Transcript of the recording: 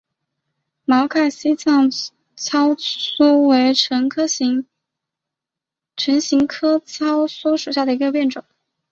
毛盔西藏糙苏为唇形科糙苏属下的一个变种。